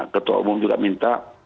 ketua umum juga minta